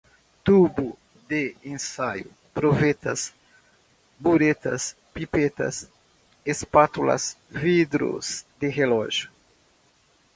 tubos de ensaio, provetas, buretas, pipetas, espátulas, vidros de relógio